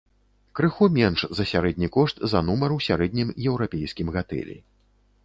Крыху менш за сярэдні кошт за нумар у сярэднім еўрапейскім гатэлі.